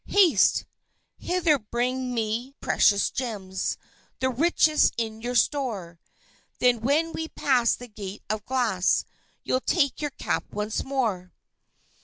"Haste! hither bring me precious gems, the richest in your store; Then when we pass the gate of glass, you'll take your cap once more."